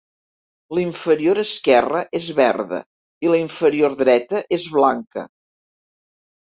La inferior esquerra és verda i la inferior dreta és blanca.